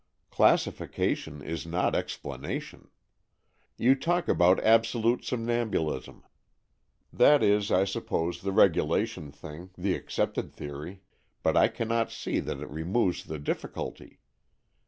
Classification is not explanation. You talk about absolute somnambulism. That is, I suppose, the regulation thing, the accepted theory, but I cannot see that it removes the difficulty.